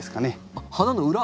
あっ花の裏？